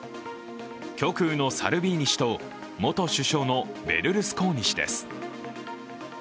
極右のサルビーニ氏と、元首相のベルルスコーニ氏です。